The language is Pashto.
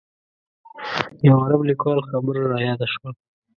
یو عرب لیکوال خبره رایاده شوه.